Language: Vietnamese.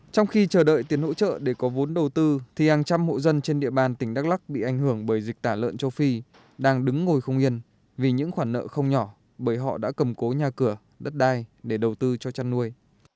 trong khi chờ đợi tiền hỗ trợ để có vốn đầu tư thì hàng trăm hộ dân trên địa bàn tỉnh đắk lắc bị ảnh hưởng bởi dịch tả lợn châu phi đang đứng ngồi không yên vì những khoản nợ không nhỏ bởi họ đã cầm cố nhà cửa đất đai để đầu tư cho chăn nuôi